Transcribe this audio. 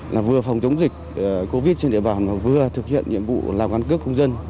là vừa phòng chống dịch covid trên địa bàn và vừa thực hiện nhiệm vụ làm ngăn cướp công dân